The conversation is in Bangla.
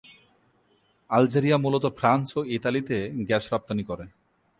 আলজেরিয়া মূলত ফ্রান্স ও ইতালিতে গ্যাস রপ্তানি করে।